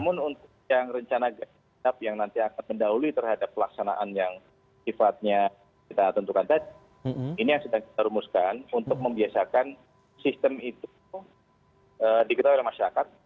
namun untuk yang rencana yang nanti akan mendahului terhadap pelaksanaan yang sifatnya kita tentukan tadi ini yang sedang kita rumuskan untuk membiasakan sistem itu diketahui oleh masyarakat